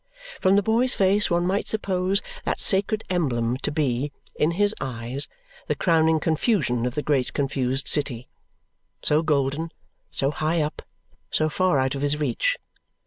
From the boy's face one might suppose that sacred emblem to be, in his eyes, the crowning confusion of the great, confused city so golden, so high up, so far out of his reach.